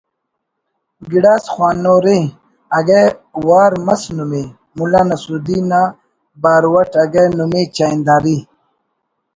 گڑاس خوانورے (اگہ وار مس نمے) ملا نصر الدین نا باور اٹ اگہ نمے چاہنداری